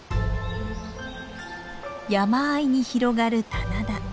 山あいに広がる棚田。